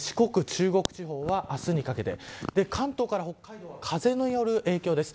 中国地方は明日にかけて関東から北海道は風による影響です。